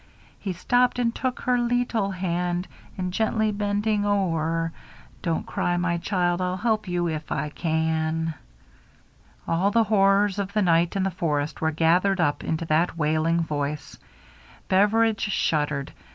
He stopped and took her lit tull hand, and gently bending o'er, * Don't cry, my child, I'll help you if I can.' " All the horrors of the night and the forest were gathered up into that wailing voice. Beveridge shuddered.